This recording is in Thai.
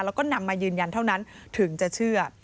แล้วก็นำมายืนยันเท่านั้นถึงจะเชื่อ